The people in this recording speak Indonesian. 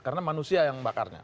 karena manusia yang bakarnya